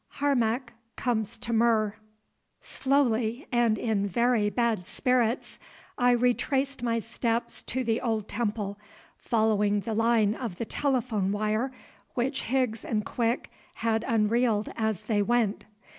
HARMAC COMES TO MUR Slowly and in very bad spirits I retraced my steps to the old temple, following the line of the telephone wire which Higgs and Quick had unreeled as they went.